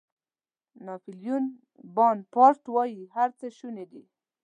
ناپیلیون بناپارټ وایي هر څه شوني دي.